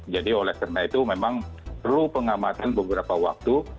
jadi oleh karena itu memang perlu pengamatan beberapa waktu